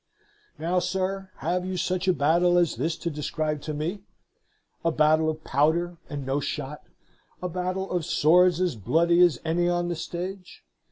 Now, sir, have you such a battle as this to describe to me? a battle of powder and no shot? a battle of swords as bloody as any on the stage?